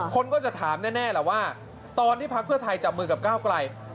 คนก็จะถามแน่แหละว่าตอนที่พักเพื่อไทยจับมือกับก้าวไกล